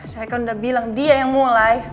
saya kan udah bilang dia yang mulai